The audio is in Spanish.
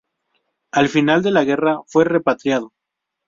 Al final de la guerra fue repatriado.